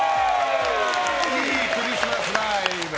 いいクリスマスライブ。